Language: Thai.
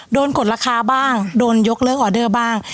กดราคาบ้างโดนยกเลิกออเดอร์บ้าง